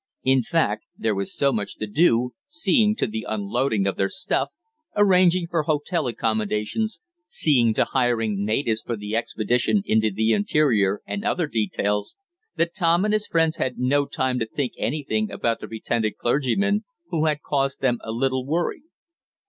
In fact there was so much to do, seeing to the unloading of their stuff, arranging for hotel accommodations, seeing to hiring natives for the expedition into the interior, and other details, that Tom and his friends had no time to think anything about the pretended clergyman who had caused them a little worry.